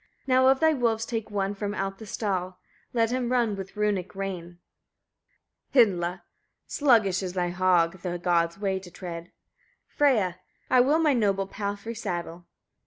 5. Now of thy wolves take one from out the stall; let him run with runic rein. Hyndla. 6. Sluggish is thy hog the god's way to tread: Freyia. 7. I will my noble palfrey saddle.